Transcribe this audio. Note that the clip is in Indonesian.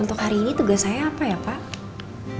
untuk hari ini tugas saya apa ya pak